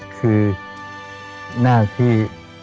คือหน้าที่